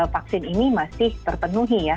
vaksin ini masih terpenuhi ya